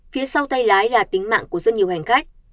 phía sau tay lái là tính mạng của rất nhiều hành khách